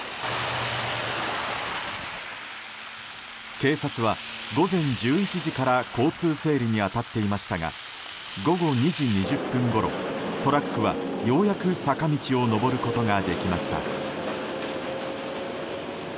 警察は午前１１時から交通整理に当たっていましたが午後２時２０分ごろトラックはようやく坂道を上ることができました。